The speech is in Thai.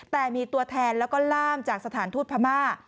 แต่มีตัวแทนแล้วก็ล่ามจากสถานทูตพม่า